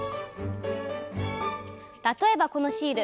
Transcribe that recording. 例えばこのシール。